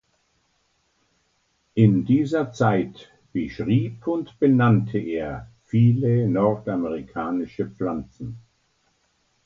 In dieser Zeit beschrieb und benannte er viele nordamerikanische Pflanzen.